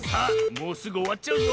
もうすぐおわっちゃうぞ。